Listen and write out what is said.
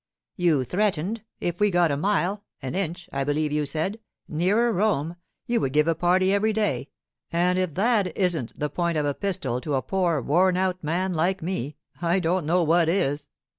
'You threatened, if we got a mile—an inch, I believe you said—nearer Rome, you would give a party every day; and if that isn't the point of a pistol to a poor, worn out man like me, I don't know what is.